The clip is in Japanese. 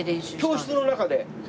教室の中で。